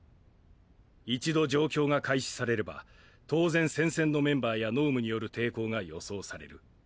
一度状況が開始されれば当然戦線のメンバーや脳無による抵抗が予想される。